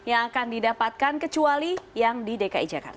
yang akan didapatkan kecuali yang di dki jakarta